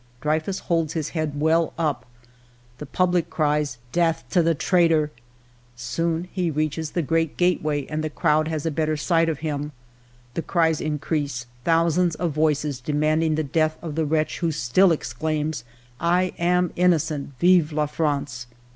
" Dreyfus holds his head well up. The public cries, ' Death to the traitor !' Soon he reaches the great gateway, and the crowd has a better sight of him. The cries increase, thousands of voices demanding the death of the wretch, who still exclaims :' I am innocent ! Vive la France